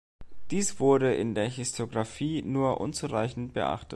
Dies wurde in der Historiographie nur unzureichend beachtet.